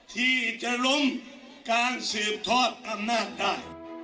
ที่จะล้มการสืบทอดอำนาจได้